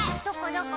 どこ？